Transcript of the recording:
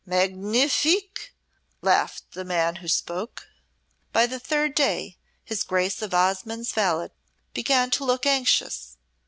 Magnifique!" laughed the man who spoke. By the third day, his Grace of Osmonde's valet began to look anxious.